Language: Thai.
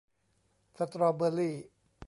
สตรอว์เบอร์รี่